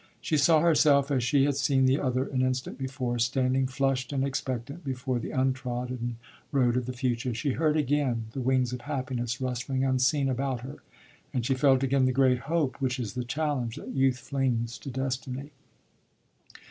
She saw herself, as she had seen the other an instant before, standing flushed and expectant before the untrodden road of the future. She heard again the wings of happiness rustling unseen about her, and she felt again the great hope which is the challenge that youth flings to destiny.